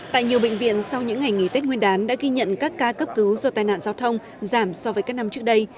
tại nhiều bệnh viện sau những ngày nghỉ tết nguyên đán đã ghi nhận các ca cấp cứu do tai nạn giao thông giảm so với các năm trước đây